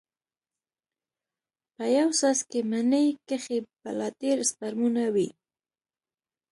په يو څاڅکي مني کښې بلا ډېر سپرمونه وي.